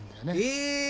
え！